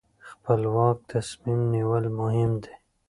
خپلواک تصمیم نیول مهم دي.